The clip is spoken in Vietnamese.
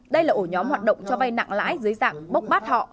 đây là ổ nhóm hoạt động cho vay nặng lãi dưới dạng bốc bát họ